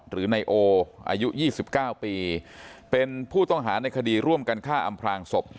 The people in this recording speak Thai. หรือนายโออายุ๒๙ปีเป็นผู้ต้องหาในคดีร่วมกันฆ่าอำพลางศพ